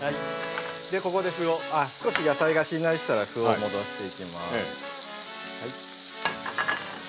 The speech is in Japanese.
少し野菜がしんなりしたら麩を戻していきます。